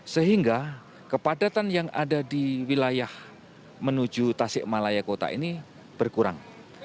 sehingga kepadatan yang ada di wilayah menuju tasik malaya kota ini berkurang